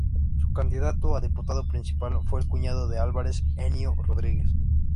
Su candidato a diputado principal fue el cuñado de Álvarez, Ennio Rodríguez.